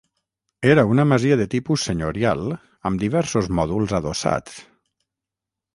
Era una masia de tipus senyorial amb diversos mòduls adossats.